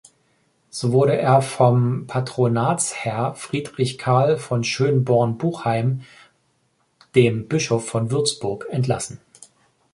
So wurde er vom Patronatsherr Friedrich Karl von Schönborn-Buchheim, dem Bischof von Würzburg, entlassen.